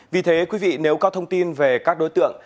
vì thế quý vị nếu có thông tin về các đối tượng